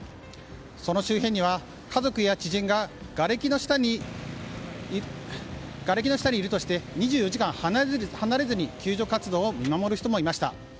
その周辺には家族や知人ががれきの下にいるとして２４時間離れずに救助作業を見守る人もいました。